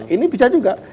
ini bisa juga